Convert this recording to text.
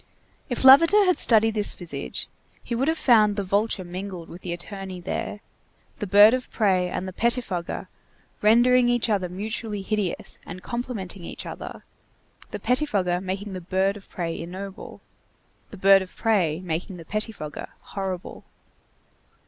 If Lavater had studied this visage, he would have found the vulture mingled with the attorney there, the bird of prey and the pettifogger rendering each other mutually hideous and complementing each other; the pettifogger making the bird of prey ignoble, the bird of prey making the pettifogger horrible.